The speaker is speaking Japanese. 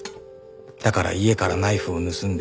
だから家からナイフを盗んで。